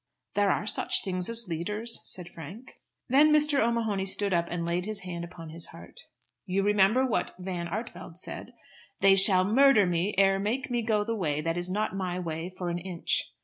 "There are such things as leaders," said Frank. Then Mr. O'Mahony stood up and laid his hand upon his heart. "You remember what Van Artevelde said 'They shall murder me ere make me go the way that is not my way, for an inch.'